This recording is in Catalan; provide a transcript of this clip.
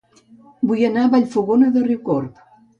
Vull anar a Vallfogona de Riucorb